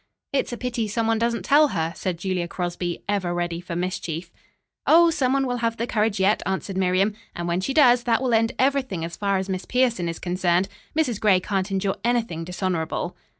"It's a pity some one doesn't tell her," said Julia Crosby, ever ready for mischief. "Oh, some one will have the courage yet," answered Miriam, "and when she does, that will end everything as far as Miss Pierson is concerned. Mrs. Gray can't endure anything dishonorable."